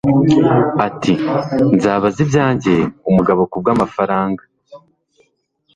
ati nzabaza ibyanjye umugabo ku bw'amafaranga